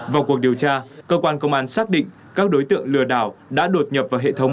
vào cuộc điều tra cơ quan công an xác định các đối tượng lừa đảo đã đột nhập vào hệ thống